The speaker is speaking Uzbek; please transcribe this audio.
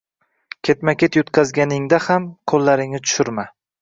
ketma-ket yutqazganingda ham, qo‘llaringni tushirma.